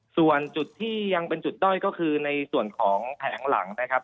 ส่วนจุดที่ยังเป็นจุดด้อยก็คือในส่วนของแผงหลังนะครับ